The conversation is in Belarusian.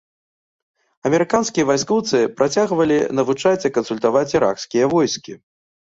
Амерыканскія вайскоўцы працягвалі навучаць і кансультаваць іракскія войскі.